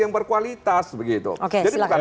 yang berkualitas begitu oke silahkan